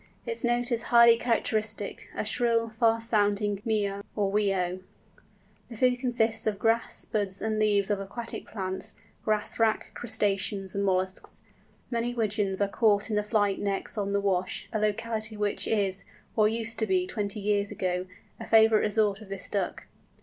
Its note is highly characteristic, a shrill, far sounding mee ow, or wee ow. The food consists of grass, buds, and leaves of aquatic plants, grass wrack, crustaceans, and molluscs. Many Wigeons are caught in the flight nets on the Wash, a locality which is, or used to be twenty years ago, a favourite resort of this Duck.